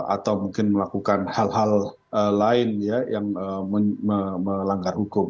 atau mungkin melakukan hal hal lain yang melanggar hukum